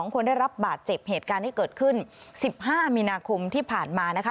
คนได้รับบาดเจ็บเหตุการณ์ที่เกิดขึ้น๑๕มีนาคมที่ผ่านมานะคะ